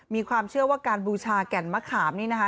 มีความเชื่อว่าการบูชาแก่นมะขามนี่นะคะ